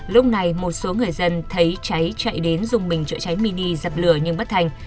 lúc này một số người dân thấy cháy chạy đến dùng bình chữa cháy mini dập lửa nhưng bất thành